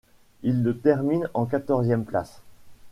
Il le termine en quatorzième place.